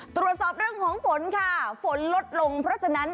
ตรวจสอบเรื่องของฝนค่ะฝนลดลงเพราะฉะนั้น